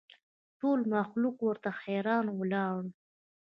ټول مخلوق ورته حیران ولاړ ول